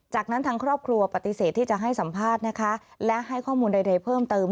จากนั้นทางครอบครัวปฏิเสธที่จะให้สัมภาษณ์นะคะและให้ข้อมูลใดเพิ่มเติม